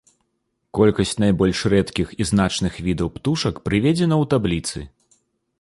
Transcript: Колькасць найбольш рэдкіх і значных відаў птушак прыведзена ў табліцы.